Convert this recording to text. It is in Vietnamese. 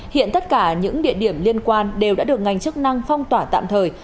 hiện tất cả những địa điểm liên quan đều đã được ngành chức năng phong tỏa tạm thời